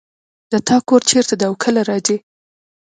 د تا کور چېرته ده او کله راځې